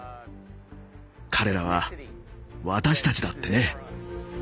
彼らは私たちだってね。